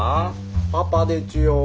パパでちゅよ。